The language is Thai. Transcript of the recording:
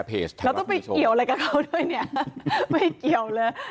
แล้วต้องไปเกี่ยวอะไรให้เค้าจนด้วยเนี่ย